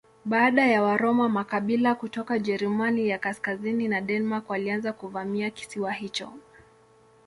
Baada ya Waroma makabila kutoka Ujerumani ya kaskazini na Denmark walianza kuvamia kisiwa hicho.